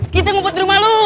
kita ngumpul di rumah lu